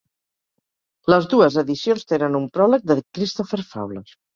Les dues edicions tenen un pròleg de Christopher Fowler.